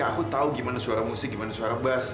aku tahu gimana suara musik gimana suara bas